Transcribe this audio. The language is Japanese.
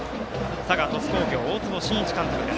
佐賀、鳥栖工業、大坪慎一監督。